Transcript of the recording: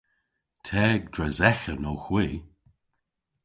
Teg dres eghen owgh hwi.